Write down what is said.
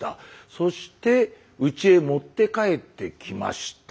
そしてうちへ持って帰ってきました。